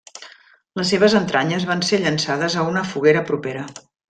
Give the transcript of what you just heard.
Les seves entranyes van ser llançades a una foguera propera.